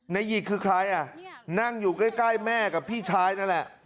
หยิกคือใครอ่ะนั่งอยู่ใกล้แม่กับพี่ชายนั่นแหละ